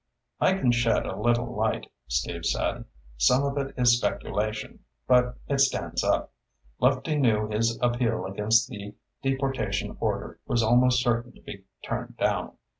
"I can shed a little light," Steve said. "Some of it is speculation, but it stands up. Lefty knew his appeal against the deportation order was almost certain to be turned down.